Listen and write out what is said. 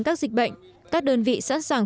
các dịch bệnh các đơn vị sẵn sàng